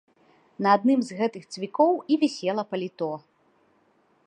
На адным з гэтых цвікоў і вісела паліто.